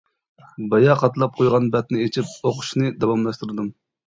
بايا قاتلاپ قويغان بەتنى ئېچىپ ئوقۇشنى داۋاملاشتۇردۇم.